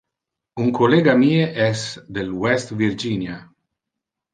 Un collega mie es del West Virginia.